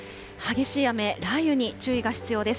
激しい雨、雷雨に注意が必要です。